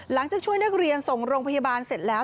ช่วยนักเรียนส่งโรงพยาบาลเสร็จแล้ว